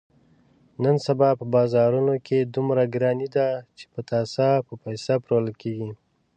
نن سبا په بازارونو کې دومره ګراني ده، چې پتاسه په پیسه پلورل کېږي.